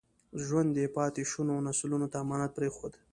ژوند یې پاتې شونو نسلونو ته امانت پرېښود.